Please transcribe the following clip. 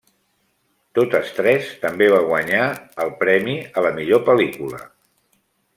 Totes tres també va guanyar el premi a la millor pel·lícula.